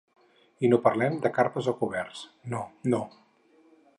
I no parlem de carpes o coberts… no, no.